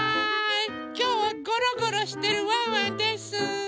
きょうはゴロゴロしてるワンワンです。